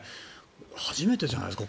初めてじゃないですか？